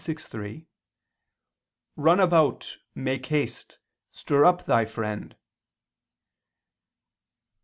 6:3): "Run about, make haste, stir up thy friend."